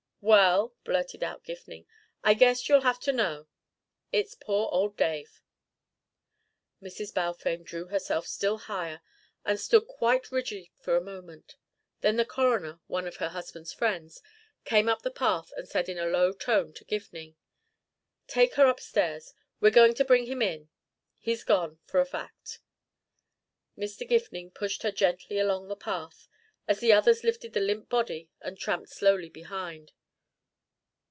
"Well," blurted out Gifning. "I guess you'll have to know. It's poor old Dave." Mrs. Balfame drew herself still higher and stood quite rigid for a moment; then the coroner, one of her husband's friends, came up the path and said in a low tone to Gifning, "Take her upstairs. We're goin' to bring him in. He's gone, for a fact." Mr. Gifning pushed her gently along the path, as the others lifted the limp body and tramped slowly behind.